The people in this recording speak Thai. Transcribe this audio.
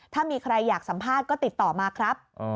ถ้ามีใครอยากสัมภาษณ์ก็ติดต่อมาครับ